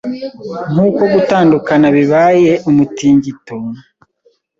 Nkuko gutandukana bibayeumutingito